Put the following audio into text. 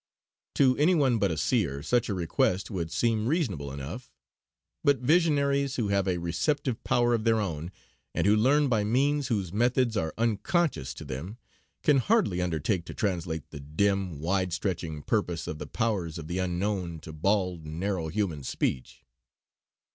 To anyone but a Seer such a request would seem reasonable enough; but visionaries who have a receptive power of their own, and who learn by means whose methods are unconscious to them, can hardly undertake to translate the dim, wide stretching purpose of the powers of the Unknown into bald, narrow, human speech.